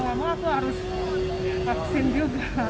dia mau mau aku harus vaksin juga